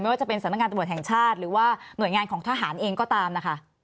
ว่าจะเป็นสำนักงานตำรวจแห่งชาติหรือว่าหน่วยงานของทหารเองก็ตามนะคะ